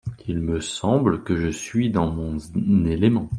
Il me semble que je suis dans mon élément.